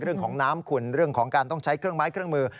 เรื่องของน้ำขุ่นเรื่องของการต้องใช้เครื่องไม้เครื่องมือ